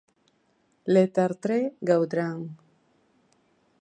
Le Tartre-Gaudran